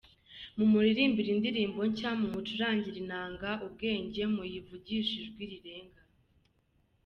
Mumuririmbire indirimbo nshya, Mucurangishe inanga ubwenge, Muyivugishe ijwi rirenga.